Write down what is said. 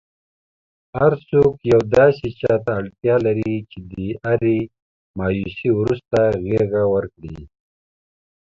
هرڅوک یو داسي چاته اړتیا لري چي د هري مایوسۍ وروسته غیږه ورکړئ.!